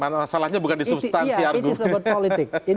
masalahnya bukan di substansi argumen politik